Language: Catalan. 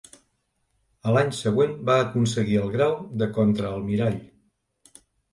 A l'any següent va aconseguir el grau de contraalmirall.